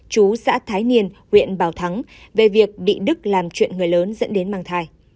chú xã thái niên huyện bảo thắng về việc bị đức làm chuyện người lớn dẫn đến mang thai